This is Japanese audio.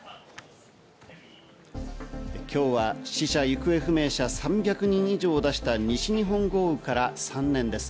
今日は死者・行方不明者３００人以上を出した西日本豪雨から３年です。